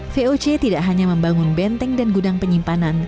voc tidak hanya membangun benteng dan gudang penyimpanan